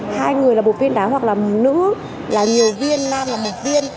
hai người là một viên đá hoặc là nữ là nhiều viên nam và một viên